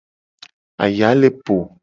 Aya le po.